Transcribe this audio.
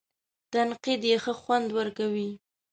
تنقید یې ښه خوند ورکوي.